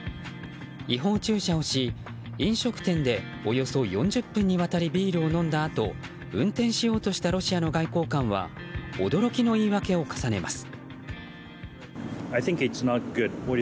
違法駐車をし飲食店でおよそ４０分にわたりビールを飲んだあと運転しようとしたロシアの外交官は驚きの言い訳を重ねます。